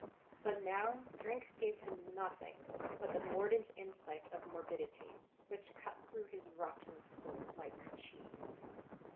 But now drink gave him nothing but the mordant insight of mor bidity, which cut through his rotten soul like cheese.